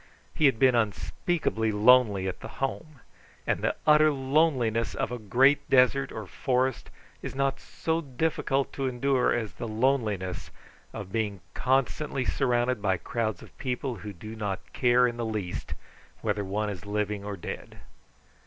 He had been unspeakably lonely at the Home; and the utter loneliness of a great desert or forest is not so difficult to endure as the loneliness of being constantly surrounded by crowds of people who do not care in the least whether one is living or dead.